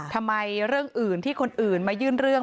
ทำไมเรื่องอื่นที่คนอื่นมายื่นเรื่อง